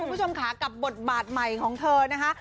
ผู้ชมขากับบทบาทใหม่ของเธอนะคะ